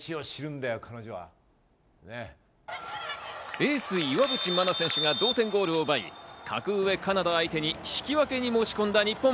エース・岩渕真奈選手が同点ゴールを奪い格上カナダ相手に引き分けに持ち込んだ日本。